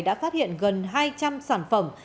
đã phát hiện gần hai trăm linh sản phẩm